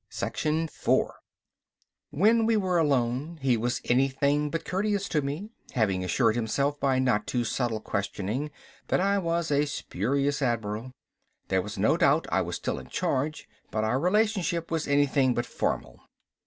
When we were alone he was anything but courteous to me, having assured himself by not too subtle questioning that I was a spurious admiral. There was no doubt I was still in charge, but our relationship was anything but formal.